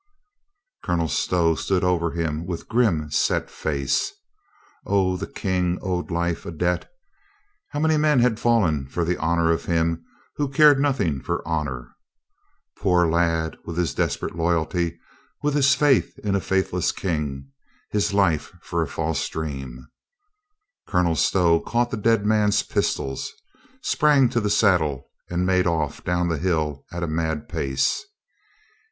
Colonel Stow stood over him with grim, set face. O, the King owed life a debt! How many men had fallen for the honor of him who cared nothing for honor? Poor lad, with his desperate loyalty, with his faith in a faithless king, his life for a false dream ... Colonel Stow caught the dead man's pistols, sprang to the saddle and made off' down hill at a mad pace.